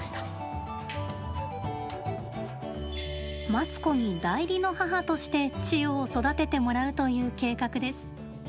マツコに代理の母としてチヨを育ててもらうという計画です。